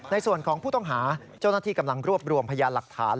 ในส่วนของผู้ต้องหาเจ้าหน้าที่กำลังรวบรวมพยานหลักฐาน